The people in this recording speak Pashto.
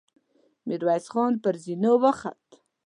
ميرويس خان پر زينو وخوت.